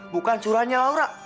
bukan surahnya laura